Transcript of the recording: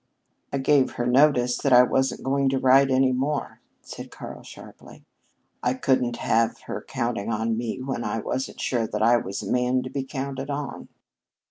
"I gave her notice that I wasn't going to write any more," said Karl sharply. "I couldn't have her counting on me when I wasn't sure that I was a man to be counted on."